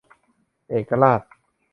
เอกราช